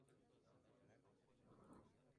La banda jamás ha salido de gira.